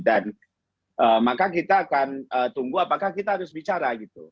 dan maka kita akan tunggu apakah kita harus bicara gitu